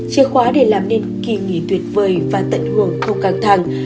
chìa khóa để làm nên kỳ nghỉ tuyệt vời và tận hưởng không căng thẳng